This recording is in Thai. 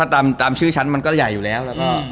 บ๊วยถ้าตามชื่อฉันมันก็ใหญ่อยู่แล้ว